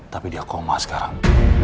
tapi dia koma sekarang